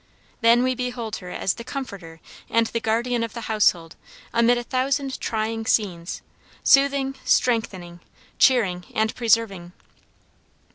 Then we behold her as the comforter and the guardian of the household amid a thousand trying scenes, soothing, strengthening, cheering, and preserving.